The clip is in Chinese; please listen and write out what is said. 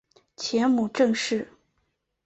前母郑氏。